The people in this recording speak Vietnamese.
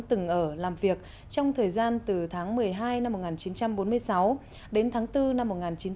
từng ở làm việc trong thời gian từ tháng một mươi hai năm một nghìn chín trăm bốn mươi sáu đến tháng bốn năm một nghìn chín trăm bảy mươi